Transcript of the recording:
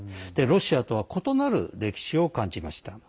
ロシアとは異なる歴史を感じました。